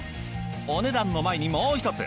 お値段の前にもう一つ。